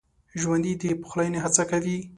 ژوندي د پخلاينې هڅه کوي